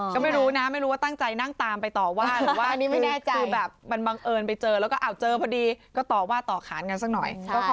ก็ไม่รู้นะไม่รู้ว่าตั้งใจนั่งตามไปต่อว่าหรือว่าไม่แน่ใจคือแบบมันบังเอิญไปเจอแล้วก็เจอพอดีก็ต่อว่าต่อขานกันสักหน่อย